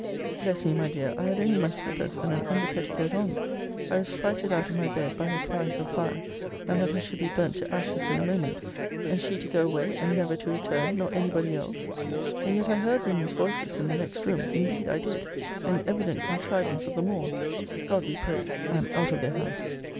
Bless me, my dear, I had only my slippers and an under petticoat on. I was frighted out of my bed, by her cries of fire; and that I should be burnt to ashes in a moment and she to go away, and never to return, nor any body else! And yet I heard women's voices in the next room; indeed I did an evident contrivance of them all: God be praised, I am out of their house!